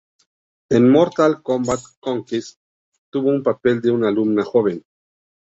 En "Mortal Kombat Conquest", tuvo un papel de una alumna joven.